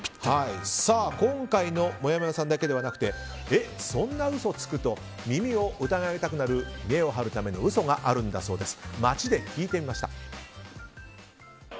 今回のもやもやさんだけではなくそんな嘘つく？と耳を疑いたくなる見栄を張るための嘘があるそうです。